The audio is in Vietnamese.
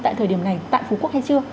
tại thời điểm này tại phú quốc hay chưa